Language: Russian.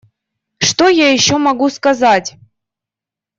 Что я еще могу сказать?